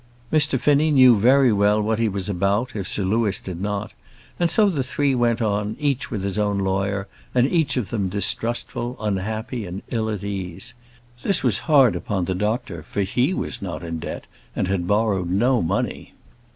Mr Finnie knew very well what he was about, if Sir Louis did not; and so the three went on, each with his own lawyer, and each of them distrustful, unhappy, and ill at ease. This was hard upon the doctor, for he was not in debt, and had borrowed no money.